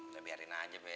ya biarin aja be